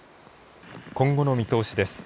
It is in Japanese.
今後の見通しです。